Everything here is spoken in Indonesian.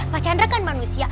pak chandra kan manusia